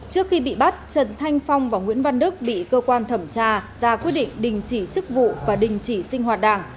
trước khi bị bắt trần thanh phong và nguyễn văn đức bị cơ quan thẩm tra ra quyết định đình chỉ chức vụ và đình chỉ sinh hoạt đảng